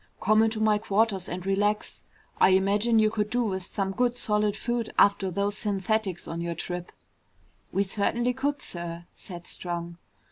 "Come into my quarters and relax. I imagine you could do with some good solid food after those synthetics on your trip." "We certainly could, sir," said Strong.